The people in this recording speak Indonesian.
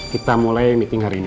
kita mulai meeting hari ini